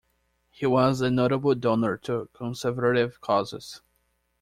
He was a notable donor to conservative causes.